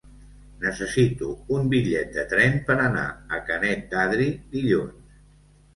Necessito un bitllet de tren per anar a Canet d'Adri dilluns.